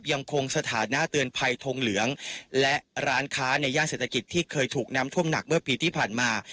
สถานะเตือนภัยทงเหลืองและร้านค้าในย่านเศรษฐกิจที่เคยถูกน้ำท่วมหนักเมื่อปีที่ผ่านมา